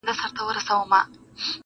ما له مړو کفنونه تښتولي.!